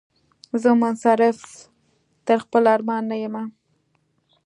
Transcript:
زه منصرف تر خپل ارمان نه یمه